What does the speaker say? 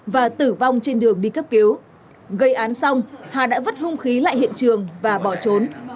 và tử vong trên đường đi cấp cứu gây án xong hà đã vứt hung khí lại hiện trường và bỏ trốn